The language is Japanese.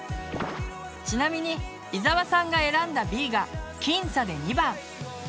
ちなみに伊沢さんが選んだＢが僅差で２番。